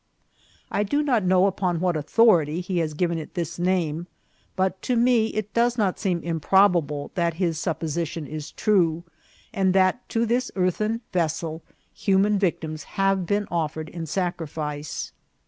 I do not know upon what authority he has given it this name, but to me it does not seem improbable that his sup position is true, and that to this earthen vessel human victims have been offered in sacrifice.